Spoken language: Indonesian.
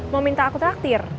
mau minta aku traktir